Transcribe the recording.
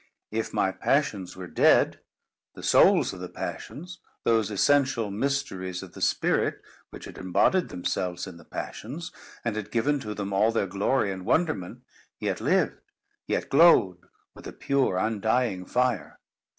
If my passions were dead, the souls of the passions, those essential mysteries of the spirit which had imbodied themselves in the passions, and had given to them all their glory and wonderment, yet lived, yet glowed, with a pure, undying fire.